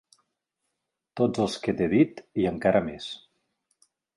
- Tots els que t'he dit i encara més.